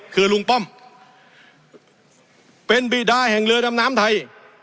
คือลุงป้อมเป็นบีดาแห่งเรือดำน้ำไทย